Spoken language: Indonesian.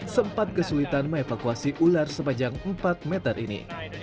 sempat kesulitan me evakuasi ular sepanjang empat meter ini